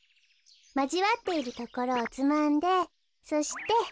まじわっているところをつまんでそして。